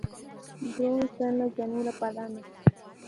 Rho está en la llanura Padana.